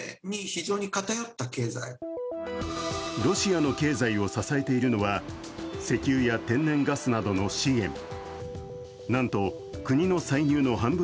ロシアの経済を支えているのは石油や天然ガスなどの資源。